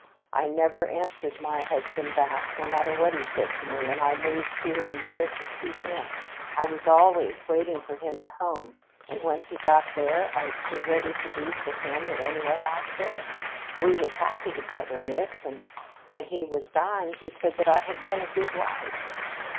I never answered my husband back, no matter what he said to me, and I moved here and there to suit him. I was always waiting for him at home, and when he got there I stood ready to do for him in any way I could. We was happy together, Miss, and when he was dying he said that I had been a good wife.